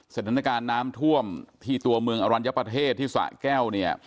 สถานการณ์น้ำท่วมที่ตัวเมืองอรัญญประเทศที่สะแก้วเนี่ย